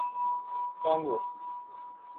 Congo